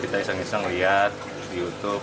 kita iseng iseng lihat di youtube